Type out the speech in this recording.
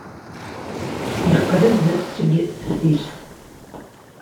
Yeqqel-d seg teftist.